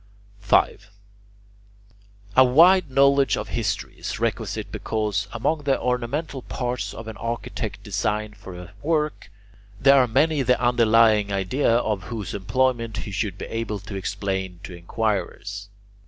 5. A wide knowledge of history is requisite because, among the ornamental parts of an architect's design for a work, there are many the underlying idea of whose employment he should be able to explain to inquirers.